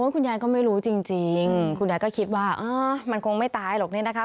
คุณยายก็ไม่รู้จริงคุณยายก็คิดว่ามันคงไม่ตายหรอกนี่นะคะ